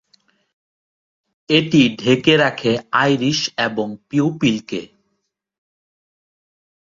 এটি ঢেকে রাখে আইরিশ এবং পিউপিলকে।